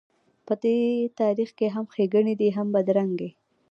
په دې تاریخ کې هم ښېګڼې دي هم بدرنګۍ.